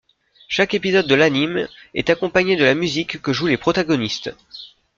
Chaque épisode de l'anime est accompagné de la musique que jouent les protagonistes.